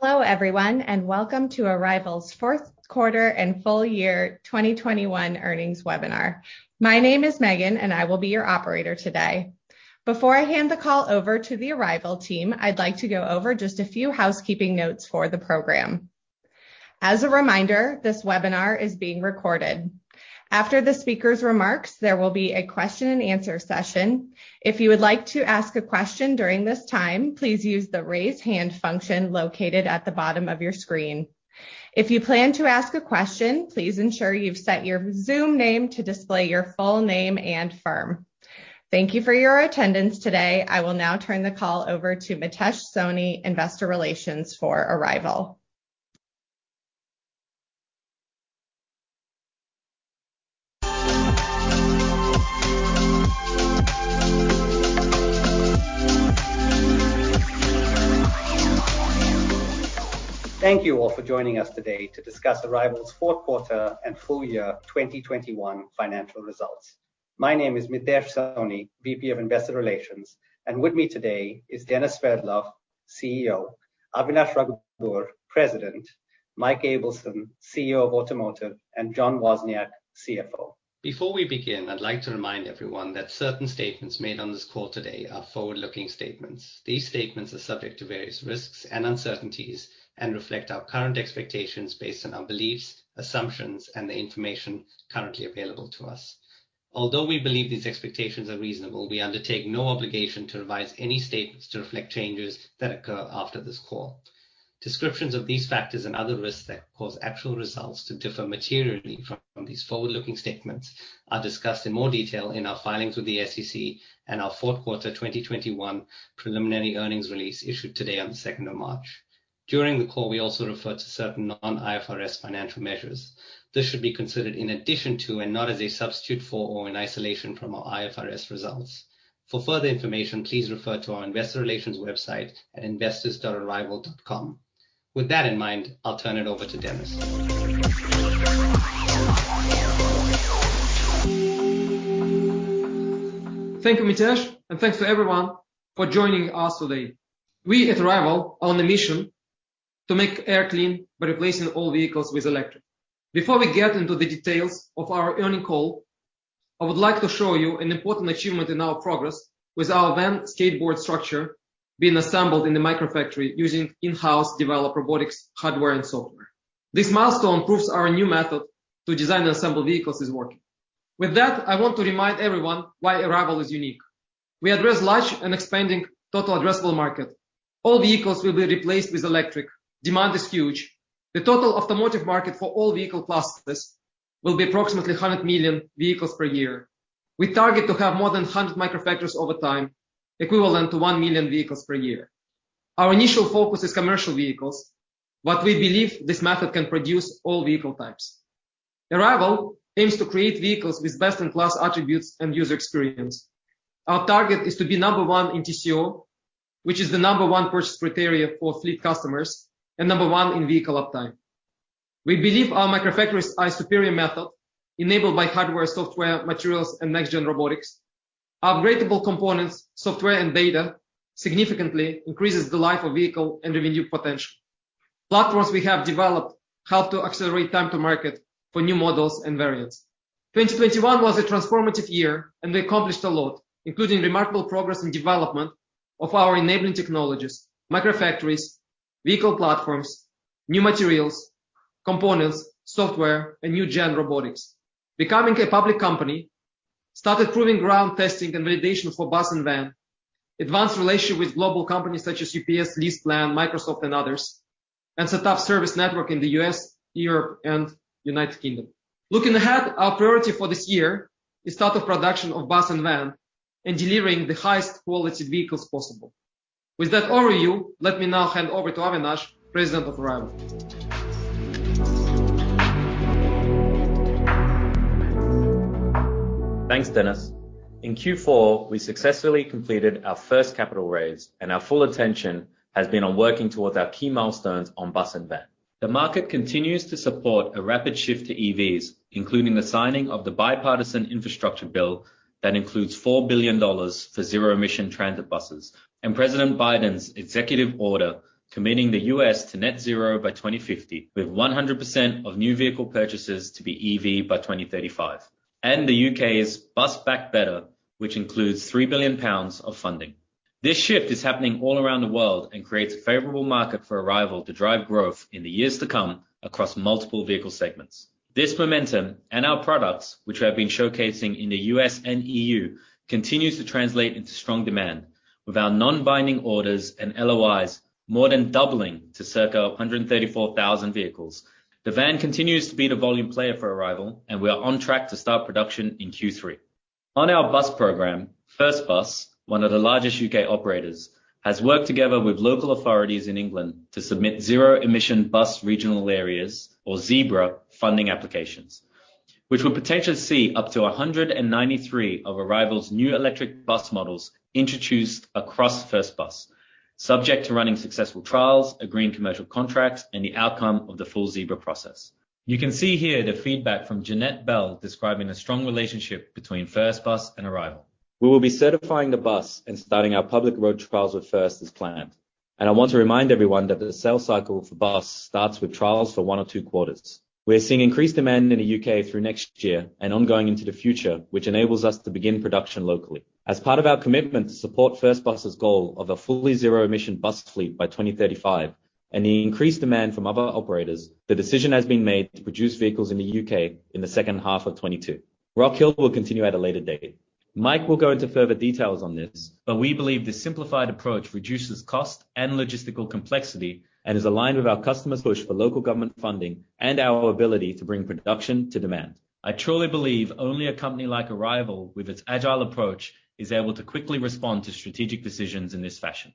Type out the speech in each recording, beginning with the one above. Hello, everyone, and welcome to Arrival's fourth quarter and full year 2021 earnings webinar. My name is Megan, and I will be your operator today. Before I hand the call over to the Arrival team, I'd like to go over just a few housekeeping notes for the program. As a reminder, this webinar is being recorded. After the speaker's remarks, there will be a question and answer session. If you would like to ask a question during this time, please use the Raise Hand function located at the bottom of your screen. If you plan to ask a question, please ensure you've set your Zoom name to display your full name and firm. Thank you for your attendance today. I will now turn the call over to Mitesh Soni, Investor Relations for Arrival. Thank you all for joining us today to discuss Arrival's fourth quarter and full year 2021 financial results. My name is Mitesh Soni, VP of Investor Relations. With me today is Denis Sverdlov, CEO. Avinash Rugoobur, President. Mike Ableson, CEO of Automotive. John Wozniak, CFO. Before we begin, I'd like to remind everyone that certain statements made on this call today are forward-looking statements. These statements are subject to various risks and uncertainties and reflect our current expectations based on our beliefs, assumptions, and the information currently available to us. Although we believe these expectations are reasonable, we undertake no obligation to revise any statements to reflect changes that occur after this call. Descriptions of these factors and other risks that cause actual results to differ materially from these forward-looking statements are discussed in more detail in our filings with the SEC and our fourth quarter 2021 preliminary earnings release issued today on March 2. During the call, we also refer to certain non-IFRS financial measures. This should be considered in addition to and not as a substitute for or in isolation from our IFRS results. For further information, please refer to our investor relations website at investors.arrival.com. With that in mind, I'll turn it over to Denis. Thank you, Mitesh, and thanks to everyone for joining us today. We at Arrival are on a mission to make air clean by replacing all vehicles with electric. Before we get into the details of our earnings call, I would like to show you an important achievement in our progress with our Van skateboard structure being assembled in the microfactory using in-house developed robotics hardware and software. This milestone proves our new method to design and assemble vehicles is working. With that, I want to remind everyone why Arrival is unique. We address large and expanding total addressable market. All vehicles will be replaced with electric. Demand is huge. The total automotive market for all vehicle classes will be approximately 100 million vehicles per year. We target to have more than 100 Microfactories over time, equivalent to 1 million vehicles per year. Our initial focus is commercial vehicles, but we believe this method can produce all vehicle types. Arrival aims to create vehicles with best-in-class attributes and user experience. Our target is to be number one in TCO, which is the number one purchase criteria for fleet customers and number one in vehicle uptime. We believe our Microfactories are a superior method enabled by hardware, software, materials, and new-gen robotics. Upgradable components, software, and data significantly increases the life of vehicle and revenue potential. Platforms we have developed help to accelerate time to market for new models and variants. 2021 was a transformative year, and we accomplished a lot, including remarkable progress in development of our enabling technologies, Microfactories, vehicle platforms, new materials, components, software, and new-gen robotics. Becoming a public company started proving ground testing and validation for Bus and Van. Advanced relationship with global companies such as UPS, LeasePlan, Microsoft, and others. We have set up a service network in the U.S., Europe, and United Kingdom. Looking ahead, our priority for this year is start of production of Bus and Van and delivering the highest quality vehicles possible. With that overview, let me now hand over to Avinash, President of Arrival. Thanks, Denis. In Q4, we successfully completed our first capital raise, and our full attention has been on working towards our key milestones on Bus and Van. The market continues to support a rapid shift to EVs, including the signing of the Bipartisan Infrastructure Bill that includes $4 billion for zero-emission transit buses. President Biden's executive order committing the U.S. to net zero by 2050, with 100% of new vehicle purchases to be EV by 2035. The U.K.'s Bus Back Better, which includes 3 billion pounds of funding. This shift is happening all around the world and creates a favorable market for Arrival to drive growth in the years to come across multiple vehicle segments. This momentum and our products, which we have been showcasing in the U.S. and EU, continues to translate into strong demand, with our non-binding orders and LOIs more than doubling to circa 134,000 vehicles. The Van continues to be the volume player for Arrival, and we are on track to start production in Q3. On our Bus program, First Bus, one of the largest U.K. operators, has worked together with local authorities in England to submit zero-emission bus regional areas or ZEBRA funding applications, which will potentially see up to 193 of Arrival's new electric Bus models introduced across First Bus, subject to running successful trials, agreeing commercial contracts, and the outcome of the full ZEBRA process. You can see here the feedback from Janette Bell describing a strong relationship between First Bus and Arrival. We will be certifying the Bus and starting our public road trials with First as planned. I want to remind everyone that the sales cycle for Bus starts with trials for one or two quarters. We're seeing increased demand in the U.K. through next year and ongoing into the future, which enables us to begin production locally. As part of our commitment to support First Bus's goal of a fully zero emission bus fleet by 2035, and the increased demand from other operators, the decision has been made to produce vehicles in the U.K. in the second half of 2022. Rock Hill will continue at a later date. Mike will go into further details on this, but we believe this simplified approach reduces cost and logistical complexity, and is aligned with our customers' push for local government funding and our ability to bring production to demand. I truly believe only a company like Arrival, with its agile approach, is able to quickly respond to strategic decisions in this fashion.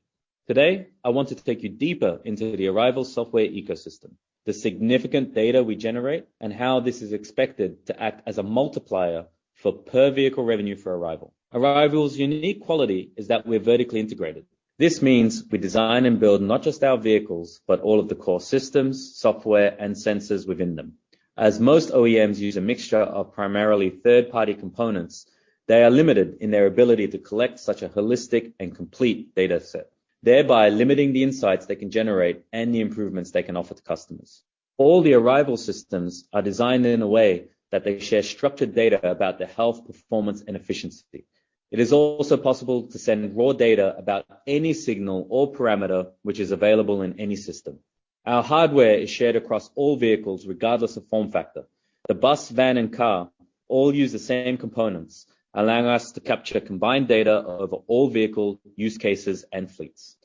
Today, I wanted to take you deeper into the Arrival software ecosystem, the significant data we generate, and how this is expected to act as a multiplier for per vehicle revenue for Arrival. Arrival's unique quality is that we're vertically integrated. This means we design and build not just our vehicles, but all of the core systems, software, and sensors within them. As most OEMs use a mixture of primarily third-party components, they are limited in their ability to collect such a holistic and complete data set, thereby limiting the insights they can generate and the improvements they can offer to customers. All the Arrival systems are designed in a way that they share structured data about their health, performance, and efficiency. It is also possible to send raw data about any signal or parameter which is available in any system. Our hardware is shared across all vehicles, regardless of form factor. The Bus, Van, and Car all use the same components, allowing us to capture combined data over all vehicle use cases and fleets.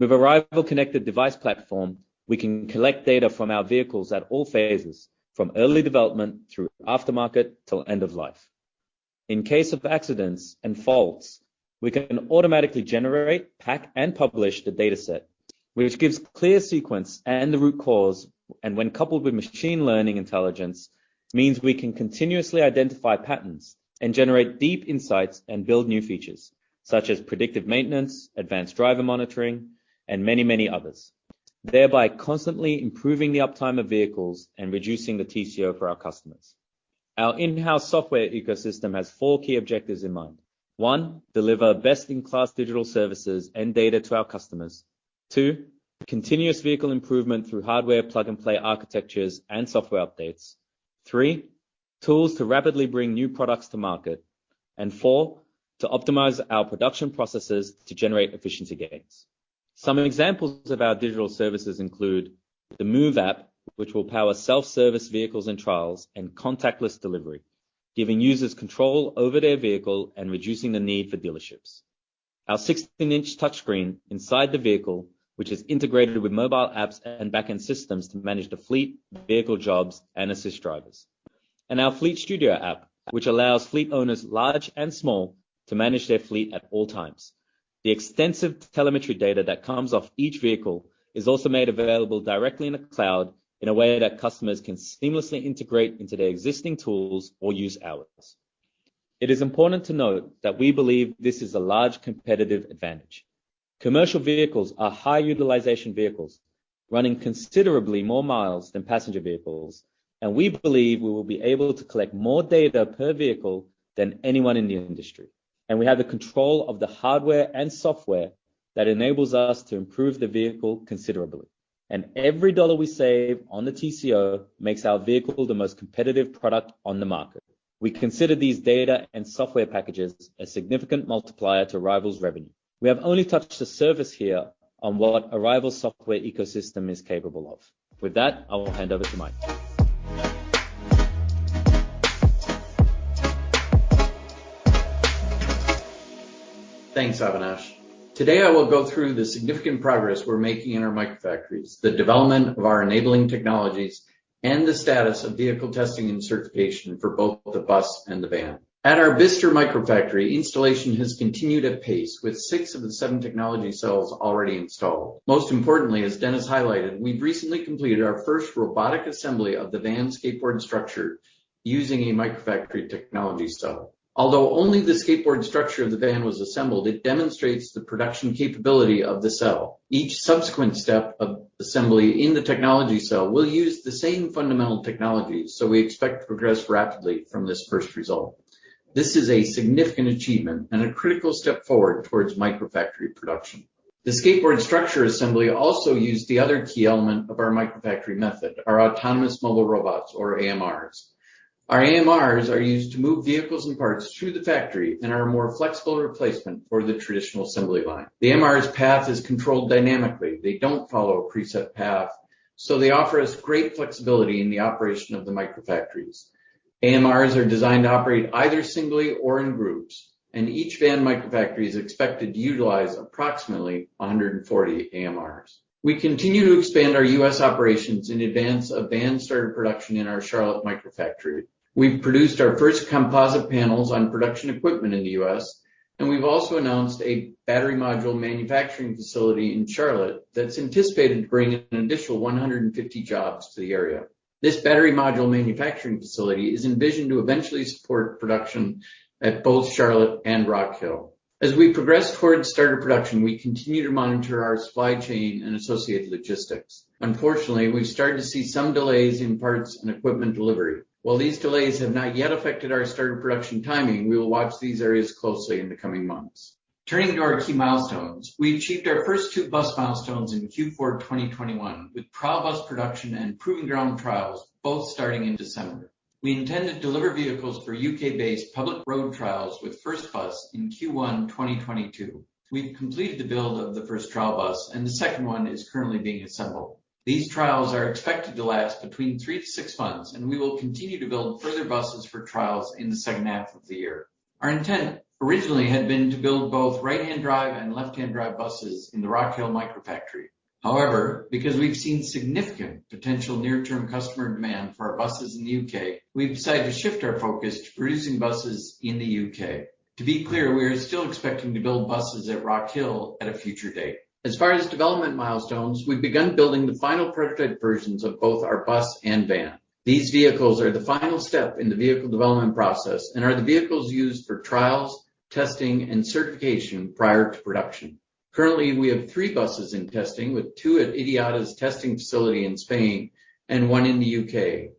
With Arrival Connected Device platform, we can collect data from our vehicles at all phases, from early development through aftermarket 'til end of life. In case of accidents and faults, we can automatically generate, pack, and publish the data set, which gives clear sequence and the root cause, and when coupled with machine learning intelligence, means we can continuously identify patterns and generate deep insights and build new features such as predictive maintenance, advanced driver monitoring, and many, many others, thereby constantly improving the uptime of vehicles and reducing the TCO for our customers. Our in-house software ecosystem has four key objectives in mind. One, deliver best-in-class digital services and data to our customers. Two, continuous vehicle improvement through hardware plug-and-play architectures and software updates. Three, tools to rapidly bring new products to market. Four, to optimize our production processes to generate efficiency gains. Some examples of our digital services include the Move app, which will power self-service vehicles and trials and contactless delivery, giving users control over their vehicle and reducing the need for dealerships. Our 16-inch touchscreen inside the vehicle, which is integrated with mobile apps and back-end systems to manage the fleet, vehicle jobs, and assist drivers, our Fleet Studio app, which allows fleet owners large and small to manage their fleet at all times. The extensive telemetry data that comes off each vehicle is also made available directly in the cloud in a way that customers can seamlessly integrate into their existing tools or use ours. It is important to note that we believe this is a large competitive advantage. Commercial vehicles are high utilization vehicles, running considerably more miles than passenger vehicles, and we believe we will be able to collect more data per vehicle than anyone in the industry. We have the control of the hardware and software that enables us to improve the vehicle considerably. Every dollar we save on the TCO makes our vehicle the most competitive product on the market. We consider these data and software packages a significant multiplier to Arrival's revenue. We have only touched the surface here on what Arrival's software ecosystem is capable of. With that, I will hand over to Mike. Thanks, Avinash. Today, I will go through the significant progress we're making in our Microfactories, the development of our enabling technologies, and the status of vehicle testing and certification for both the Bus and the Van. At our Bicester Microfactory, installation has continued at pace, with six of the seven technology cells already installed. Most importantly, as Denis highlighted, we've recently completed our first robotic assembly of the Van skateboard structure using a Microfactory technology cell. Although only the skateboard structure of the Van was assembled, it demonstrates the production capability of the cell. Each subsequent step of assembly in the technology cell will use the same fundamental technologies, so we expect to progress rapidly from this first result. This is a significant achievement and a critical step forward towards Microfactory production. The skateboard structure assembly also used the other key element of our Microfactory method, our autonomous mobile robots or AMRs. Our AMRs are used to move vehicles and parts through the factory and are a more flexible replacement for the traditional assembly line. The AMRs path is controlled dynamically. They don't follow a preset path, so they offer us great flexibility in the operation of the Microfactories. AMRs are designed to operate either singly or in groups, and each Van Microfactory is expected to utilize approximately 140 AMRs. We continue to expand our U.S. operations in advance of Van start of production in our Charlotte Microfactory. We've produced our first composite panels on production equipment in the U.S., and we've also announced a battery module manufacturing facility in Charlotte that's anticipated to bring an additional 150 jobs to the area. This battery module manufacturing facility is envisioned to eventually support production at both Charlotte and Rock Hill. As we progress towards start of production, we continue to monitor our supply chain and associated logistics. Unfortunately, we've started to see some delays in parts and equipment delivery. While these delays have not yet affected our start of production timing, we will watch these areas closely in the coming months. Turning to our key milestones. We achieved our first two Bus milestones in Q4 of 2021, with trial Bus production and proving ground trials both starting in December. We intend to deliver vehicles for U.K.-based public road trials with First Bus in Q1 2022. We've completed the build of the first trial Bus, and the second one is currently being assembled. These trials are expected to last between three to six months, and we will continue to build further buses for trials in the second half of the year. Our intent originally had been to build both right-hand drive and left-hand drive Buses in the Rock Hill Microfactory. However, because we've seen significant potential near-term customer demand for our Buses in the U.K., we've decided to shift our focus to producing Buses in the U.K. To be clear, we are still expecting to build buses at Rock Hill at a future date. As far as development milestones, we've begun building the final prototype versions of both our Bus and Van. These vehicles are the final step in the vehicle development process and are the vehicles used for trials, testing, and certification prior to production. Currently, we have three Buses in testing, with two at IDIADA's testing facility in Spain and one in the U.K.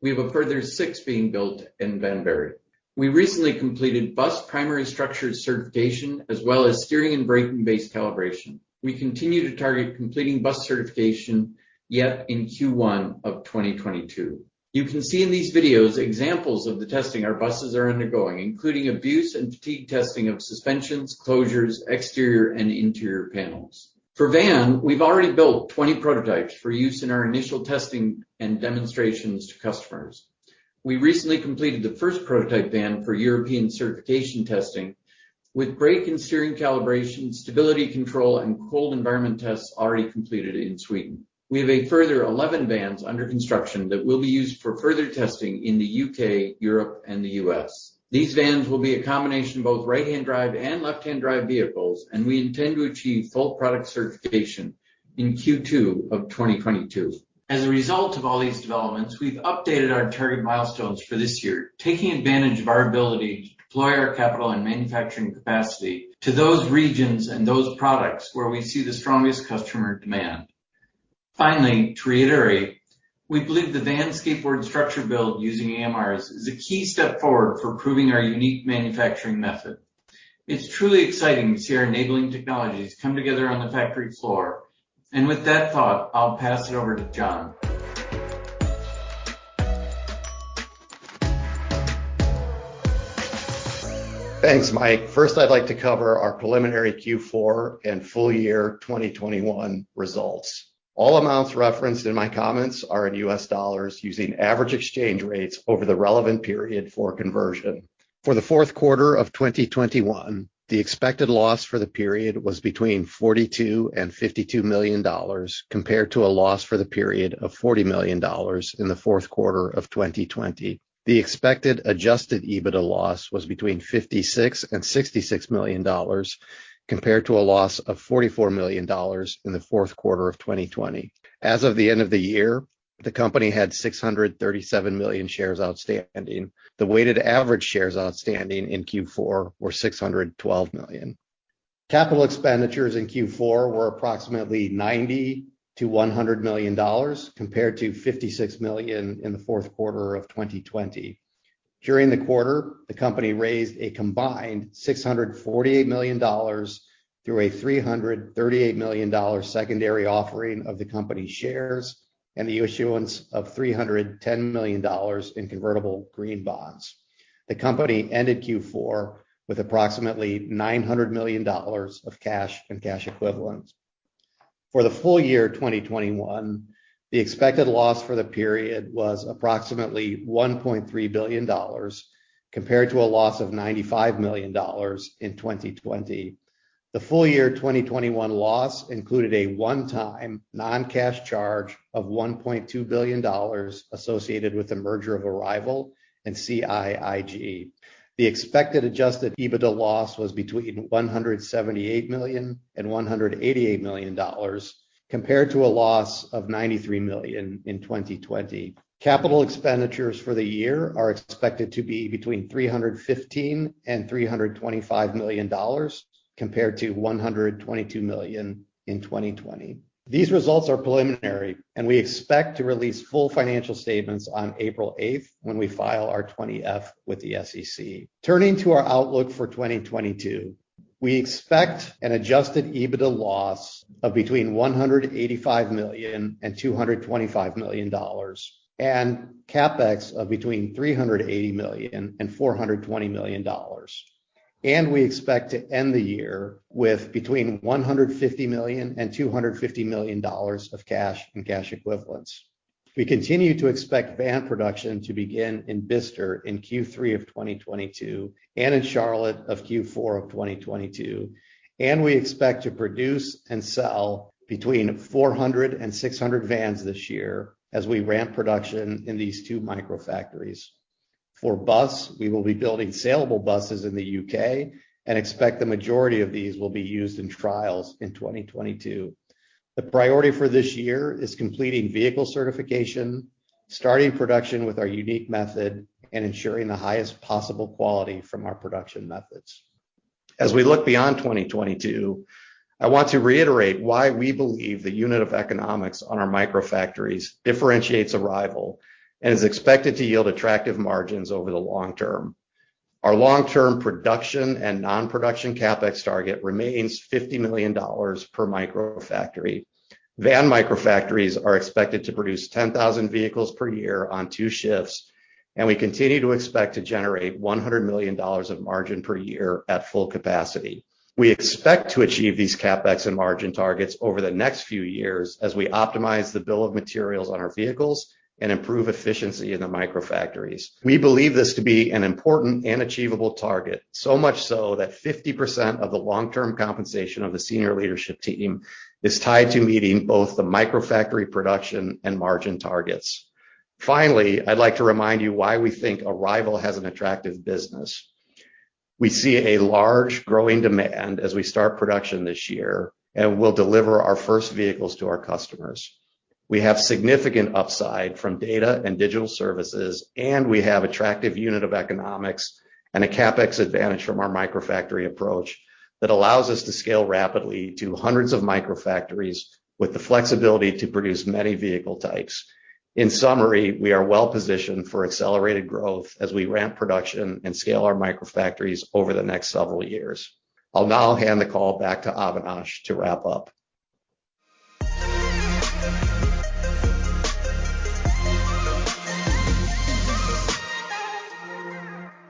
We have a further six being built in Banbury. We recently completed Bus primary structured certification as well as steering and braking base calibration. We continue to target completing Bus certification yet in Q1 of 2022. You can see in these videos examples of the testing our Buses are undergoing, including abuse and fatigue testing of suspensions, closures, exterior, and interior panels. For Van, we've already built 20 prototypes for use in our initial testing and demonstrations to customers. We recently completed the first prototype van for European certification testing with brake and steering calibration, stability control, and cold environment tests already completed in Sweden. We have a further 11 vans under construction that will be used for further testing in the U.K., Europe, and the U.S. These Vans will be a combination of both right-hand drive and left-hand drive vehicles, and we intend to achieve full product certification in Q2 of 2022. As a result of all these developments, we've updated our target milestones for this year, taking advantage of our ability to deploy our capital and manufacturing capacity to those regions and those products where we see the strongest customer demand. Finally, to reiterate, we believe the Van skateboard structure build using AMRs is a key step forward for proving our unique manufacturing method. It's truly exciting to see our enabling technologies come together on the factory floor. With that thought, I'll pass it over to John. Thanks, Mike. First, I'd like to cover our preliminary Q4 and full year 2021 results. All amounts referenced in my comments are in U.S. dollars using average exchange rates over the relevant period for conversion. For the fourth quarter of 2021, the expected loss for the period was between $42 million and $52 million, compared to a loss for the period of $40 million in the fourth quarter of 2020. The expected adjusted EBITDA loss was between $56 million and $66 million, compared to a loss of $44 million in the fourth quarter of 2020. As of the end of the year, the company had 637 million shares outstanding. The weighted average shares outstanding in Q4 were 612 million. Capital expenditures in Q4 were approximately $90 million-$100 million, compared to $56 million in the fourth quarter of 2020. During the quarter, the company raised a combined $648 million through a $338 million secondary offering of the company shares and the issuance of $310 million in convertible green bonds. The company ended Q4 with approximately $900 million of cash and cash equivalents. For the full year 2021, the expected loss for the period was approximately $1.3 billion, compared to a loss of $95 million in 2020. The full year 2021 loss included a one-time non-cash charge of $1.2 billion associated with the merger of Arrival and CIIG. The expected adjusted EBITDA loss was between $178 million and $188 million, compared to a loss of $93 million in 2020. Capital expenditures for the year are expected to be between $315 million and $325 million, compared to $122 million in 2020. These results are preliminary, and we expect to release full financial statements on April 8th when we file our 20-F with the SEC. Turning to our outlook for 2022. We expect an adjusted EBITDA loss of between $185 million and $225 million and CapEx of between $380 million and $420 million. We expect to end the year with between $150 million and $250 million of cash and cash equivalents. We continue to expect Van production to begin in Bicester in Q3 of 2022 and in Charlotte in Q4 of 2022, and we expect to produce and sell between 400 and 600 Vans this year as we ramp production in these two Microfactories. For Bus, we will be building sellable Buses in the U.K. and expect the majority of these will be used in trials in 2022. The priority for this year is completing vehicle certification, starting production with our unique method, and ensuring the highest possible quality from our production methods. As we look beyond 2022, I want to reiterate why we believe the unit of economics on our Microfactories differentiates Arrival and is expected to yield attractive margins over the long term. Our long-term production and non-production CapEx target remains $50 million per Microfactory. Van Microfactories are expected to produce 10,000 vehicles per year on two shifts, and we continue to expect to generate $100 million of margin per year at full capacity. We expect to achieve these CapEx and margin targets over the next few years as we optimize the bill of materials on our vehicles and improve efficiency in the Microfactories. We believe this to be an important and achievable target, so much so that 50% of the long-term compensation of the senior leadership team is tied to meeting both the Microfactory production and margin targets. Finally, I'd like to remind you why we think Arrival has an attractive business. We see a large growing demand as we start production this year, and we'll deliver our first vehicles to our customers. We have significant upside from data and digital services, and we have attractive unit of economics and a CapEx advantage from our Microfactory approach that allows us to scale rapidly to hundreds of Microfactories with the flexibility to produce many vehicle types. In summary, we are well positioned for accelerated growth as we ramp production and scale our Microfactories over the next several years. I'll now hand the call back to Avinash to wrap up.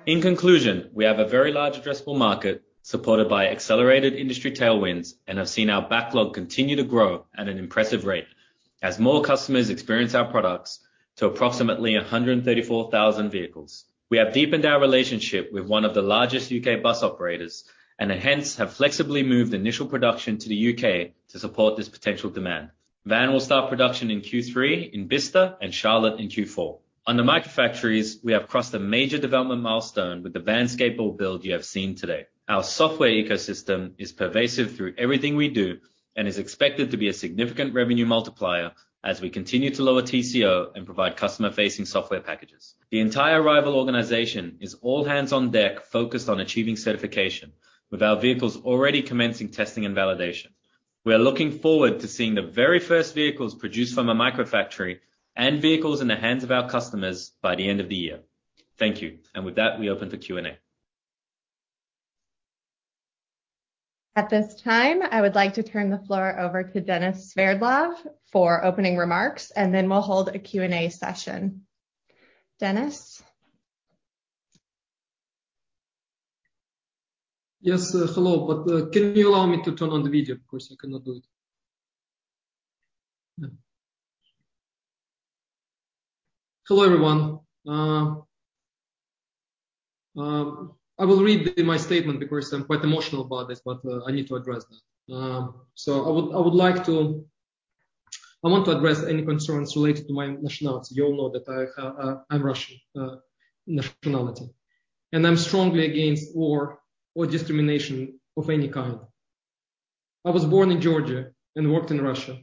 In conclusion, we have a very large addressable market supported by accelerated industry tailwinds and have seen our backlog continue to grow at an impressive rate as more customers experience our products to approximately 134,000 vehicles. We have deepened our relationship with one of the largest U.K. bus operators and hence have flexibly moved initial production to the U.K. to support this potential demand. Van will start production in Q3 in Bicester, and Charlotte in Q4. On the Microfactories, we have crossed a major development milestone with the Van skateboard build you have seen today. Our software ecosystem is pervasive through everything we do and is expected to be a significant revenue multiplier as we continue to lower TCO and provide customer-facing software packages. The entire Arrival organization is all hands on deck focused on achieving certification, with our vehicles already commencing testing and validation. We are looking forward to seeing the very first vehicles produced from a Microfactory and vehicles in the hands of our customers by the end of the year. Thank you. With that, we open to Q&A. At this time, I would like to turn the floor over to Denis Sverdlov for opening remarks, and then we'll hold a Q&A session. Denis? Yes, hello. Can you allow me to turn on the video? Of course, I cannot do it. Hello, everyone. I will read my statement because I'm quite emotional about this, but I need to address that. I want to address any concerns related to my nationality. You all know that I'm Russian nationality, and I'm strongly against war or discrimination of any kind. I was born in Georgia and worked in Russia.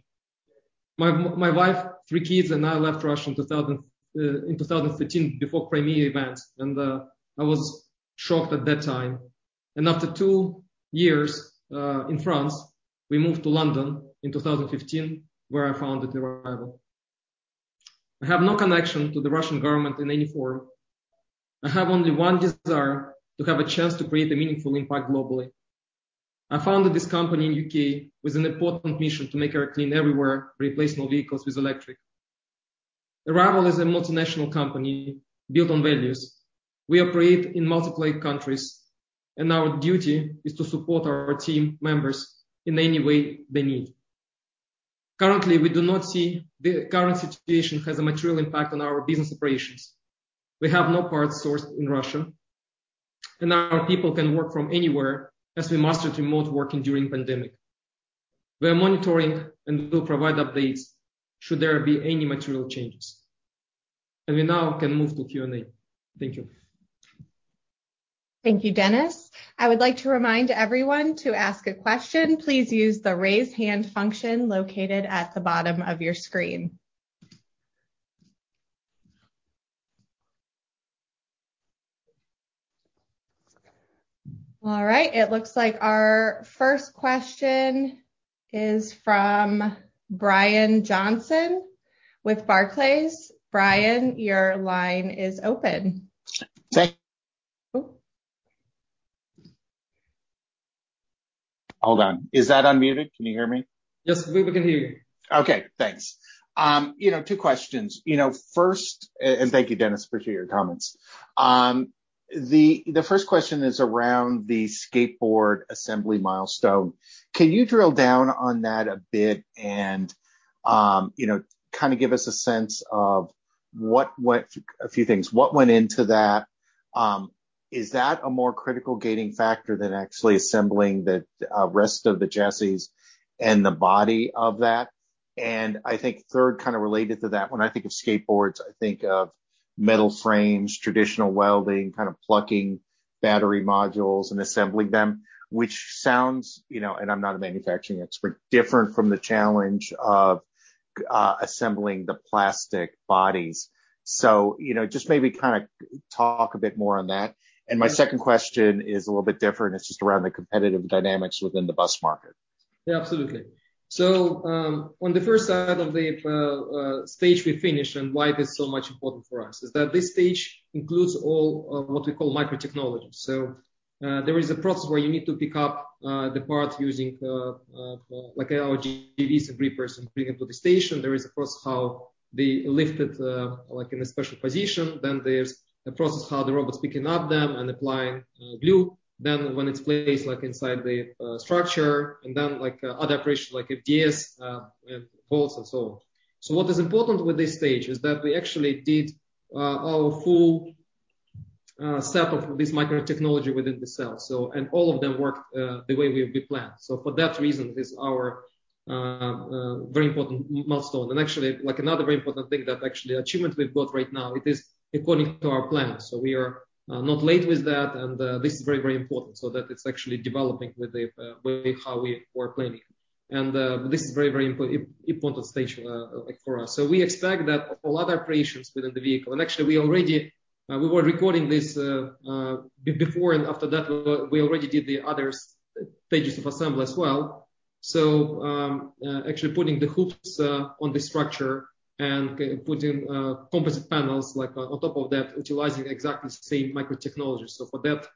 My wife, three kids, and I left Russia in 2015 before Crimea events, and I was shocked at that time. After two years in France, we moved to London in 2015, where I founded Arrival. I have no connection to the Russian government in any form. I have only one desire, to have a chance to create a meaningful impact globally. I founded this company in U.K. with an important mission, to make air clean everywhere, replace more vehicles with electric. Arrival is a multinational company built on values. We operate in multiple countries, and our duty is to support our team members in any way they need. Currently, we do not see the current situation has a material impact on our business operations. We have no parts sourced in Russia, and our people can work from anywhere as we mastered remote working during pandemic. We are monitoring and will provide updates should there be any material changes. We now can move to Q&A. Thank you. Thank you, Denis. I would like to remind everyone to ask a question, please use the raise hand function located at the bottom of your screen. All right, it looks like our first question is from Brian Johnson with Barclays. Brian, your line is open. Thank- Oh. Hold on. Is that unmuted? Can you hear me? Yes. We can hear you. Okay, thanks. You know, two questions. You know, first, and thank you, Denis. Appreciate your comments. The first question is around the skateboard assembly milestone. Can you drill down on that a bit and, you know, kinda give us a sense of what went into that? Is that a more critical gating factor than actually assembling the rest of the chassis and the body of that? And I think third, kinda related to that one, I think of skateboards, I think of metal frames, traditional welding, kind of plugging battery modules and assembling them, which sounds, you know, and I'm not a manufacturing expert, different from the challenge of assembling the plastic bodies. So, you know, just maybe kinda talk a bit more on that. And my second question is a little bit different. It's just around the competitive dynamics within the Bus market. Yeah, absolutely. On the first side of the stage we finished and why this is so much important for us is that this stage includes all what we call micro technology. There is a process where you need to pick up the part using like our [AGVs] and grippers and bring it to the station. There is a process how they lift it like in a special position. Then there's a process how the robots picking up them and applying glue. Then when it's placed like inside the structure and then like other operations like adhesives and bolts and so on. What is important with this stage is that we actually did our full set of this micro technology within the cell. All of them worked the way we planned. For that reason, this is our very important milestone. Actually like another very important thing that actual achievement we've got right now, it is according to our plan. We are not late with that. This is very, very important, so that it's actually developing with the way how we were planning. This is very, very important stage like for us. We expect that a lot of operations within the vehicle. Actually we already were recording this before and after that we already did the other stages of assembly as well. Actually putting the hoops on the structure and putting composite panels like on top of that, utilizing exactly the same micro technology. For that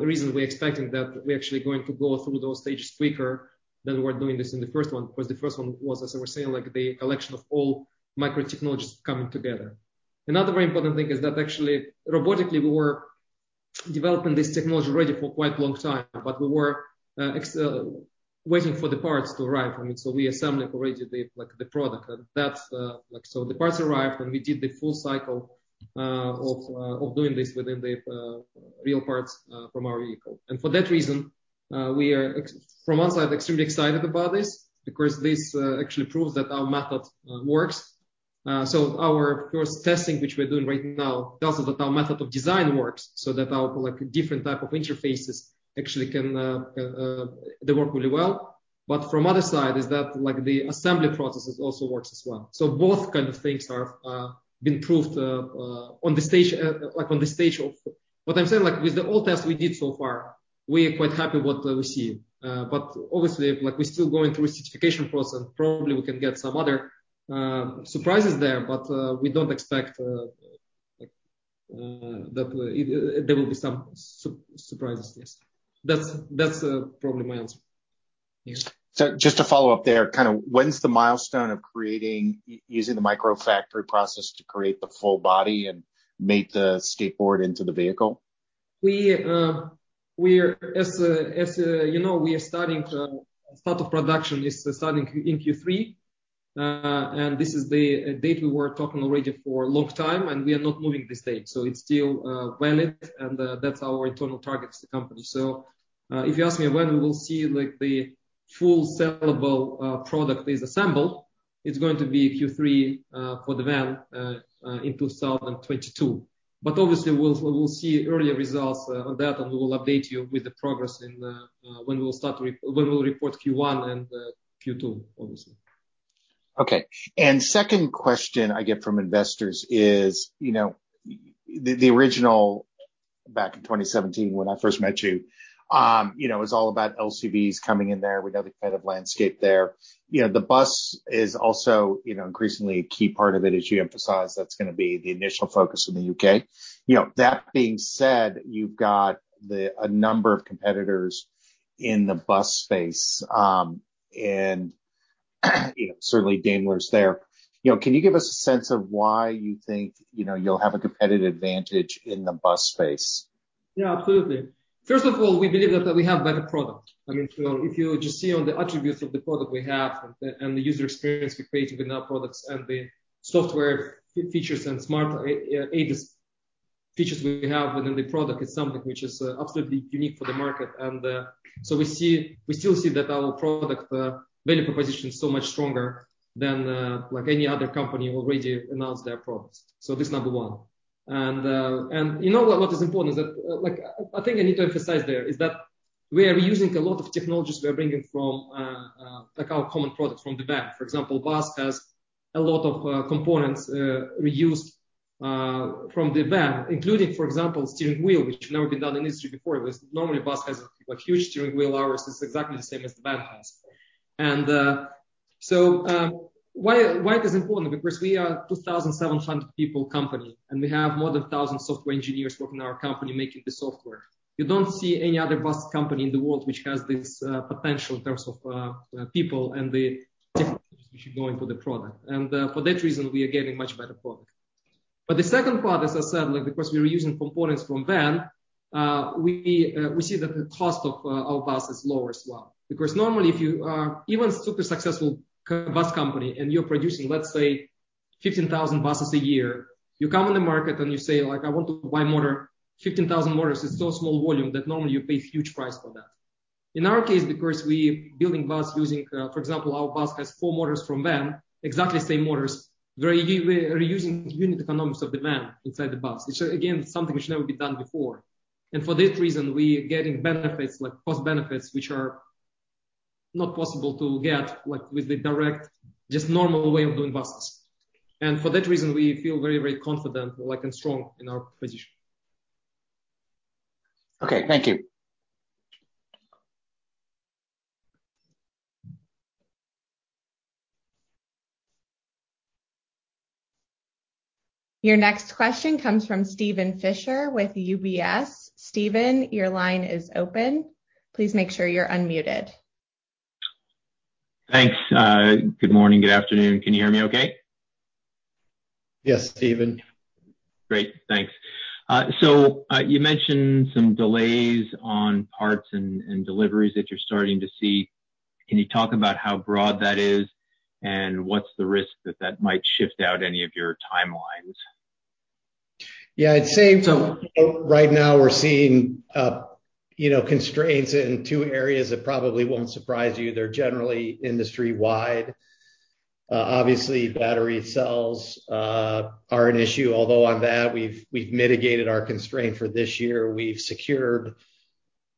reason, we're expecting that we're actually going to go through those stages quicker than we're doing this in the first one. The first one was, as I was saying, like the collection of all micro technologies coming together. Another very important thing is that actually robotically, we were developing this technology already for quite a long time, but we were waiting for the parts to arrive. I mean, we assembled already, like, the product. That's, like, the parts arrived, and we did the full cycle of doing this within the real parts from our vehicle. For that reason, we are from one side, extremely excited about this because this actually proves that our method works. Our first testing, which we're doing right now, tells us that our method of design works so that our like different type of interfaces actually can. They work really well. From the other side is that like the assembly processes also work as well. Both kind of things have been proved on the stage of what I'm saying like with all the tests we did so far. We are quite happy with what we see. Obviously like we're still going through a certification process. Probably we can get some other surprises there, but we don't expect like that there will be some surprises. Yes. That's probably my answer. Yes. Just to follow up there, kind of when's the milestone of creating using the Microfactory process to create the full body and make the skateboard into the vehicle? You know, we are starting the start of production in Q3. This is the date we were talking already for long time, and we are not moving this date, so it's still valid. That's our internal target as the company. If you ask me when we will see, like, the full sellable product is assembled, it's going to be Q3 for the Van in 2022. Obviously we'll see earlier results on that, and we will update you with the progress when we'll report Q1 and Q2, obviously. Okay. Second question I get from investors is, you know, the original back in 2017 when I first met you know, is all about LCVs coming in there. We know the kind of landscape there. You know, the Bus is also, you know, increasingly a key part of it. As you emphasize, that's gonna be the initial focus in the U.K. You know, that being said, you've got a number of competitors in the bus space. You know, certainly Daimler's there. You know, can you give us a sense of why you think, you know, you'll have a competitive advantage in the bus space? Yeah, absolutely. First of all, we believe that we have better product. I mean, if you just see on the attributes of the product we have and the user experience we create within our products and the software features and smart ADAS features we have within the product, it's something which is absolutely unique for the market. We still see that our product value proposition is so much stronger than like any other company who already announced their products. This is number one. You know what is important is that like I think I need to emphasize there is that we are reusing a lot of technologies we are bringing from like our common product from the Van. For example, Bus has a lot of components reused from the Van, including, for example, steering wheel, which had never been done in industry before. It was normally bus has like huge steering wheel. Ours is exactly the same as the Van has. Why it is important? Because we are 2,700 people company, and we have more than 1,000 software engineers working in our company making the software. You don't see any other bus company in the world which has this potential in terms of people and the technologies which are going for the product. For that reason, we are getting much better product. The second part, as I said, like, because we're reusing components from Van, we see that the cost of our Bus is lower as well. Because normally, if you are even super successful a bus company and you're producing, let's say 15,000 buses a year, you come in the market and you say, like, "I want to buy motor." 15,000 motors is so small volume that normally you pay huge price for that. In our case, because we building Bus using, for example, our Bus has four motors from Van, exactly same motors. We're reusing unit economics of the Van inside the Bus. It's, again, something which never been done before. For that reason, we getting benefits like cost benefits, which are not possible to get like with the direct, just normal way of doing buses. For that reason, we feel very, very confident, like, and strong in our position. Okay, thank you. Your next question comes from Steven Fisher with UBS. Steven, your line is open. Please make sure you're unmuted. Yes Steven. Great. Thanks. You mentioned some delays on parts and deliveries that you're starting to see. Can you talk about how broad that is, and what's the risk that that might shift out any of your timelines? Yeah. I'd say. Right now we're seeing, you know, constraints in two areas that probably won't surprise you. They're generally industry-wide. Obviously battery cells are an issue, although on that we've mitigated our constraint for this year. We've secured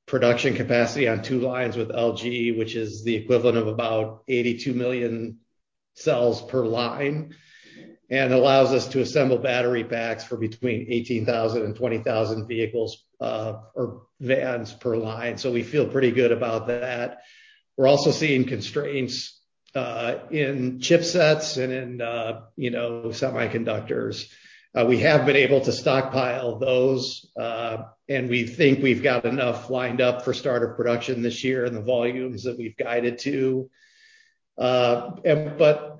production capacity on two lines with LG, which is the equivalent of about 82 million cells per line, and allows us to assemble battery packs for between 18,000 and 20,000 vehicles or Vans per line. We feel pretty good about that. We're also seeing constraints in chipsets and in, you know, semiconductors. We have been able to stockpile those, and we think we've got enough lined up for starter production this year and the volumes that we've guided to.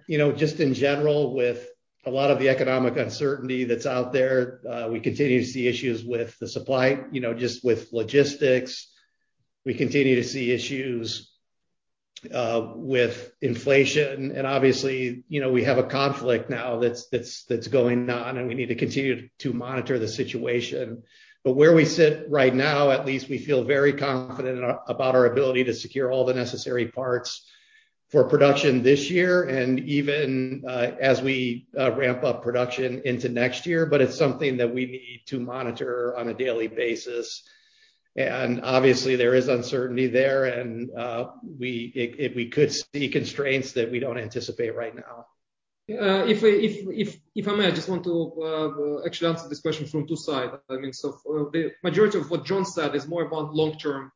You know, just in general, with a lot of the economic uncertainty that's out there, we continue to see issues with the supply, you know, just with logistics. We continue to see issues with inflation. Obviously, you know, we have a conflict now that's going on, and we need to continue to monitor the situation. Where we sit right now, at least we feel very confident about our ability to secure all the necessary parts for production this year and even as we ramp up production into next year. It's something that we need to monitor on a daily basis. Obviously there is uncertainty there and we could see constraints that we don't anticipate right now. If I may, I just want to actually answer this question from two sides. I mean, the majority of what John said is more about long-term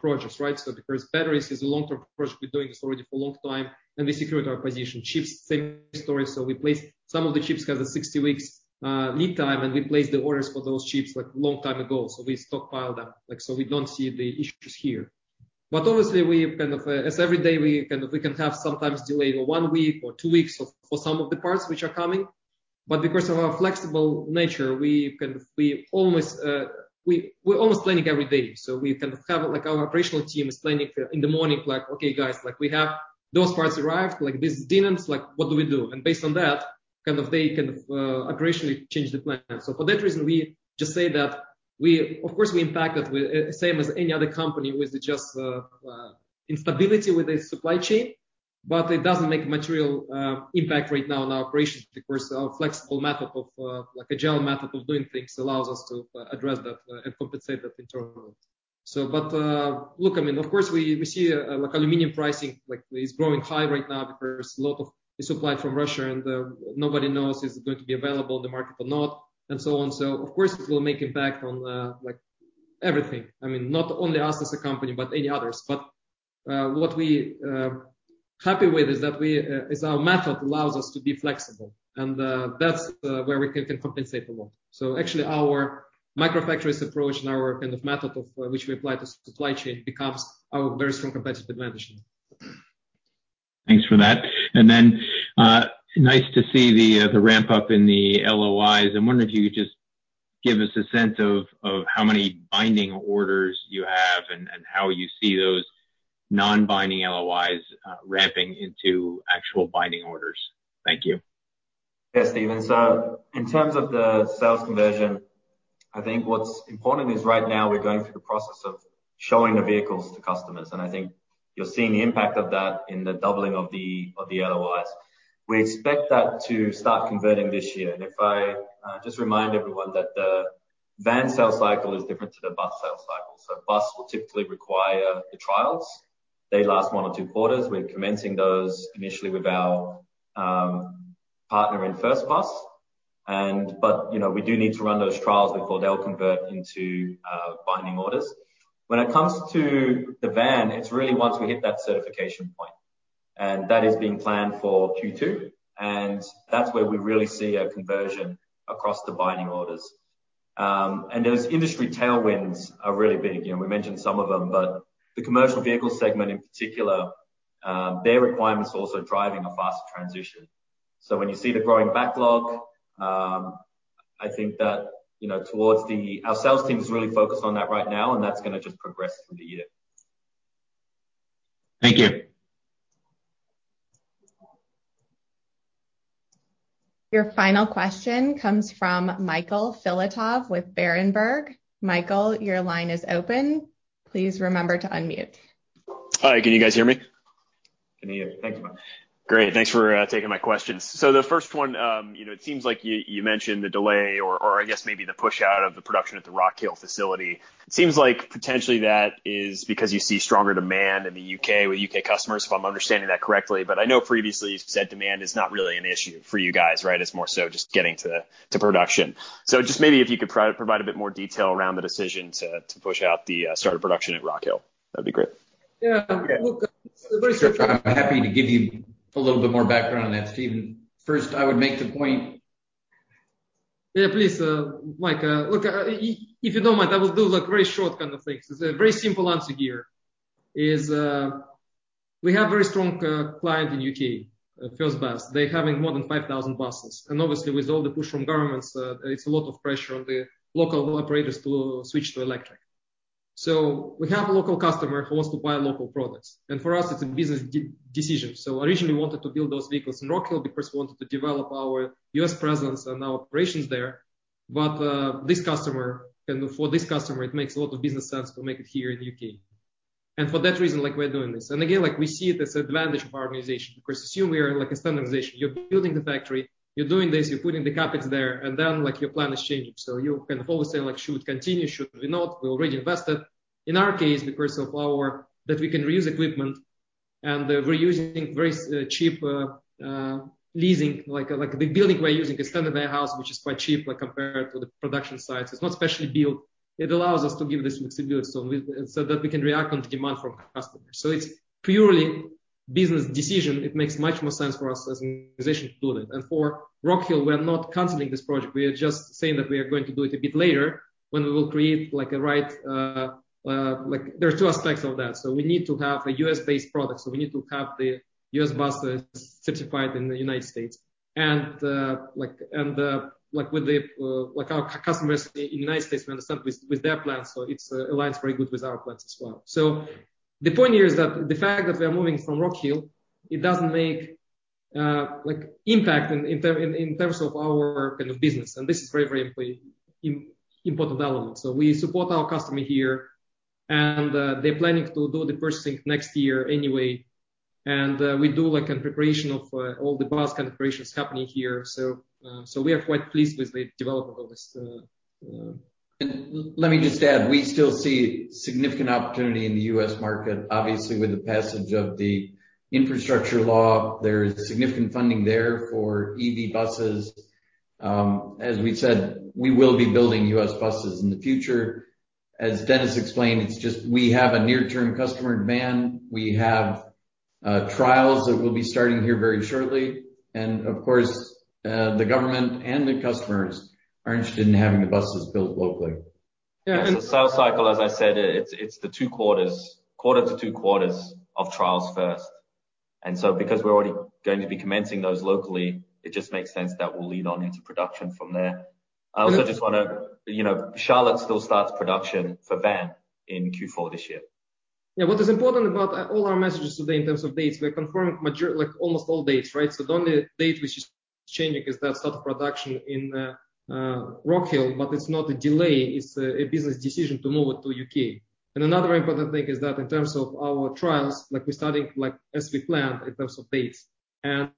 projects, right? Because batteries is a long-term project, we're doing this already for a long time, and we secured our position. Chips, same story. We placed some of the chips, 'cause the 60-week lead time, and we placed the orders for those chips, like, long time ago, so we stockpile them. Like, we don't see the issues here. But obviously, as every day, we can have sometimes delay of one week or two weeks for some of the parts which are coming. But because of our flexible nature, we can, we're almost planning every day. We kind of have, like, our operational team is planning for in the morning, like, "Okay guys, like we have those parts arrived, like this didn't. Like, what do we do?" Based on that, kind of, they can operationally change the plan. For that reason, we just say that of course we impact it with same as any other company with just instability with the supply chain, but it doesn't make material impact right now on our operations because our flexible method of, like a general method of doing things allows us to address that and compensate that internally. Look, I mean, of course we see like aluminum pricing like is growing high right now because a lot of the supply from Russia and nobody knows is it going to be available in the market or not, and so on. Of course it will make impact on like everything. I mean, not only us as a company, but any others. What we're happy with is that our method allows us to be flexible and that's where we can compensate a lot. Actually our Microfactories approach and our kind of method of which we apply to supply chain becomes our very strong competitive advantage. Thanks for that. Nice to see the ramp up in the LOIs. I wonder if you could just give us a sense of how many binding orders you have and how you see those non-binding LOIs ramping into actual binding orders. Thank you. Yeah, Steven. In terms of the sales conversion, I think what's important is right now we're going through the process of showing the vehicles to customers, and I think you're seeing the impact of that in the doubling of the LOIs. We expect that to start converting this year. If I just remind everyone that the Van sales cycle is different to the Bus sales cycle. Bus will typically require the trials. They last one or two quarters. We're commencing those initially with our partner in First Bus, but you know, we do need to run those trials before they'll convert into binding orders. When it comes to the Van, it's really once we hit that certification point, and that is being planned for Q2, and that's where we really see a conversion across the binding orders. Those industry tailwinds are really big. You know, we mentioned some of them, but the commercial vehicle segment in particular, their requirements are also driving a faster transition. When you see the growing backlog, I think that, you know, our sales team is really focused on that right now, and that's gonna just progress through the year. Thank you. Your final question comes from Michael Filatov with Berenberg. Michael, your line is open. Please remember to unmute. Hi. Can you guys hear me? We can hear. Thanks, Michael. Great. Thanks for taking my questions. So the first one, you know, it seems like you mentioned the delay or I guess maybe the push out of the production at the Rock Hill facility. It seems like potentially that is because you see stronger demand in the U.K. with U.K. customers, if I'm understanding that correctly, but I know previously you've said demand is not really an issue for you guys, right? It's more so just getting to production. So just maybe if you could provide a bit more detail around the decision to push out the start of production at Rock Hill. That'd be great. Yeah, look, very short- I'm happy to give you a little bit more background on that, Steven. First, I would make the point. Yeah, please, Mike. Look, if you don't mind, I will do, like, very short kind of things. It's a very simple answer here: we have a very strong client in the U.K., First Bus. They're having more than 5,000 Buses. Obviously, with all the push from governments, it's a lot of pressure on the local operators to switch to electric. We have a local customer who wants to buy local products, and for us, it's a business decision. Originally we wanted to build those vehicles in Rock Hill because we wanted to develop our U.S. presence and our operations there. This customer and for this customer, it makes a lot of business sense to make it here in the U.K. For that reason, like, we're doing this. Again, like, we see it as advantage of our organization. Of course, assume we are like a standardization. You're building the factory, you're doing this, you're putting the capital there, and then, like, your plan is changing. You can always say, like, "Should we continue? Should we not? We already invested." In our case, because of our that we can reuse equipment, and we're using very cheap leasing. Like a big building, we're using a standard warehouse which is quite cheap, like, compared to the production sites. It's not specially built. It allows us to give this flexibility so that we can react on the demand from customers. It's purely business decision. It makes much more sense for us as an organization to do that. For Rock Hill, we're not canceling this project. We are just saying that we are going to do it a bit later when we will create, like, there are two aspects of that. We need to have a U.S.-based product. We need to have the U.S. buses certified in the United States. Like, with our customers in the United States, we understand their plans, so it aligns very good with our plans as well. The point here is that the fact that we are moving from Rock Hill, it doesn't make impact in terms of our kind of business, and this is very, very important element. We support our customer here, and they're planning to do the purchasing next year anyway. We do like a preparation of all the Bus kind of preparations happening here. We are quite pleased with the development of this. Let me just add, we still see significant opportunity in the U.S. market. Obviously, with the passage of the Infrastructure Law, there is significant funding there for EV buses. As we've said, we will be building U.S. buses in the future. As Dennis explained, it's just we have a near-term customer demand. We have trials that will be starting here very shortly. Of course, the government and the customers are interested in having the buses built locally. Yeah. The sales cycle, as I said, it's the two quarters, quarter to two quarters of trials first. Because we're already going to be commencing those locally, it just makes sense that we'll lead on into production from there. Yes. I also just wanna, you know, Charlotte still starts production for the Van in Q4 this year. Yeah. What is important about all our messages today in terms of dates, we're confirming major, like almost all dates, right? So the only date which is changing is that start of production in Rock Hill, but it's not a delay, it's a business decision to move it to U.K. Another very important thing is that in terms of our trials, like, we're starting, like, as we planned in terms of dates and,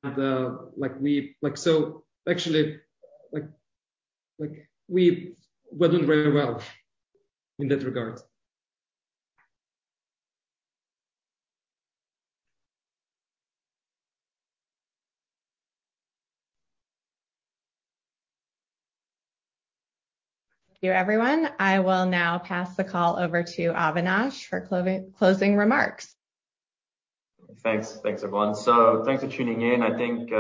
like, so actually, like, we're doing very well in that regard. Thank you, everyone. I will now pass the call over to Avinash for closing remarks. Thanks. Thanks, everyone. Thanks for tuning in. I think, you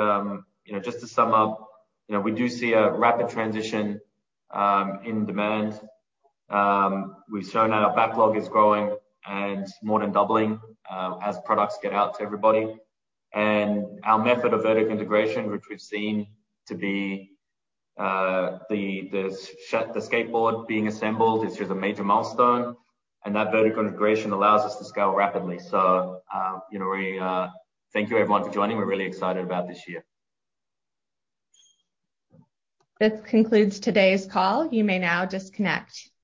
know, just to sum up, you know, we do see a rapid transition in demand. We've shown that our backlog is growing and more than doubling as products get out to everybody. Our method of vertical integration, which we've seen to be the skateboard being assembled is just a major milestone, and that vertical integration allows us to scale rapidly. You know, we thank you everyone for joining. We're really excited about this year. This concludes today's call. You may now disconnect.